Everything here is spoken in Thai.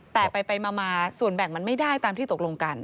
แต่ไปมาส่วนแบ่งมันไม่ได้ตามที่ตกลงกัน